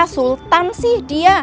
sultan sih dia